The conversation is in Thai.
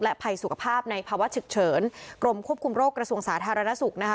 ภัยสุขภาพในภาวะฉุกเฉินกรมควบคุมโรคกระทรวงสาธารณสุขนะคะ